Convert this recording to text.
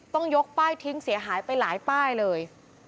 ต้องยกป้ายทิ้งเสียหายไปหลายป้ายเลย